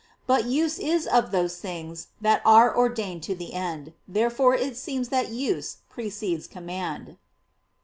But use is of those things that are ordained to the end. Therefore it seems that use precedes command.